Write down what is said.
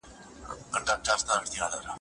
له بامي بلخه راپاڅه دنوروز دسهار باده